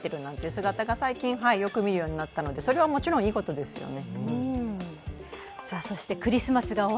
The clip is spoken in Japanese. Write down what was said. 姿が、最近よく見るようになったのでそれはもちろん、いいことですよね